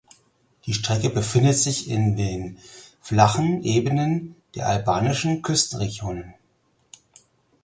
Die Strecke befindet sich in den flachen Ebenen der albanischen Küstenregionen.